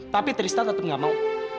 tapi tristan tetep gak mau